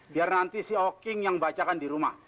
biar nanti si oking yang bacakan di rumah